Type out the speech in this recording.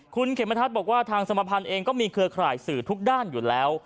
คุณเขมทัศน์บอกว่าทางสมภัณฑ์เองก็มีเครือข่ายสื่อทุกด้านอยู่แล้ว